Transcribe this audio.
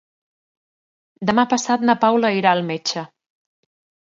Demà passat na Paula irà al metge.